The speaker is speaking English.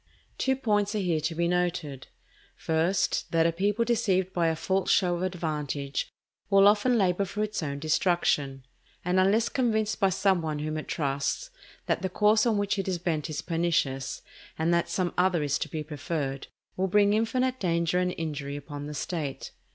Two points are here to be noted. First, that a people deceived by a false show of advantage will often labour for its own destruction; and, unless convinced by some one whom it trusts, that the course on which it is bent is pernicious, and that some other is to be preferred, will bring infinite danger and injury upon the State.